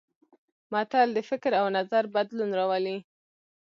متل د فکر او نظر بدلون راولي